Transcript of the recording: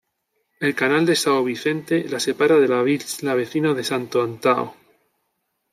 El canal de São Vicente la separa de la isla vecina de Santo Antão.